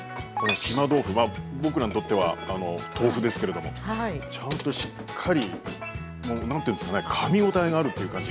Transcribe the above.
島豆腐は僕らにとっては豆腐ですけれどもちゃんとしっかりもう何て言うんですかねかみ応えがあるっていうか。